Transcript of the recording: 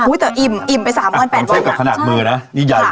อุ้ยแต่อิ่มอิ่มไปสามอันแปดบ้างค่ะขนาดมือนะนี่ใหญ่